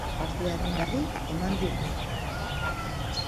Zumaiarrak partidaren berri eman digu.